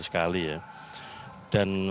sekali ya dan